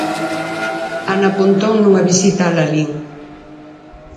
Ana Pontón, nunha visita a Lalín.